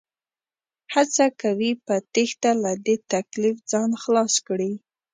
هڅه کوي په تېښته له دې تکليف ځان خلاص کړي